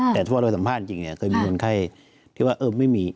แต่ถ้าว่าเราสัมภาษณ์จริงเนี่ยเคยมีคนไข้ที่ว่าเออไม่มี